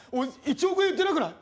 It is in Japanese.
１億円言ってなくない？